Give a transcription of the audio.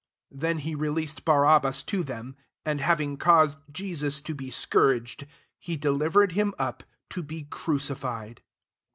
26 Then he re leased Barabbas to them : and, having caused Jesus to be scourged, he delivered him up to be crucified.